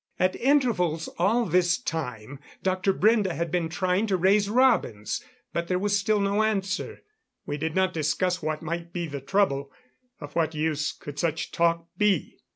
At intervals all this time Dr. Brende had been trying to raise Robins but there was still no answer. We did not discuss what might be the trouble. Of what use could such talk be?